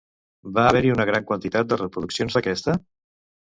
Va haver-hi una gran quantitat de reproduccions d'aquesta?